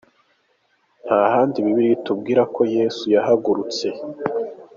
Nta handi Bibiliya itubwira ko Yesu yahagurutse.